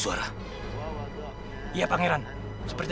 saya akan melakukan sesuatu